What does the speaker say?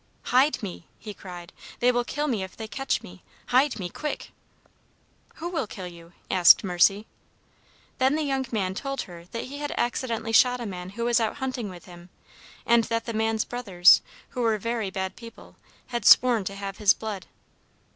"'Hide me!' he cried. 'They will kill me if they catch me. Hide me, quick!' "'Who will kill you?' asked Mercy. "Then the young man told her that he had accidentally shot a man who was out hunting with him, and that the man's brothers, who were very bad people, had sworn to have his blood.